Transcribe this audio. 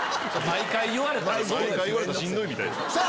毎回言われたらしんどいみたい。